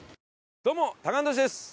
どうもタカアンドトシです！